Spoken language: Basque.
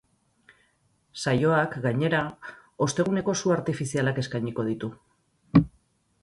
Saioak, gainera, osteguneko su artifizialak eskainiko ditu.